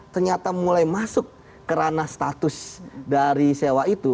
ternyata mulai masuk kerana status dari sewa itu